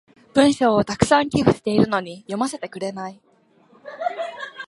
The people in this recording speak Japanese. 文章を沢山寄付してるのに読ませてくれない。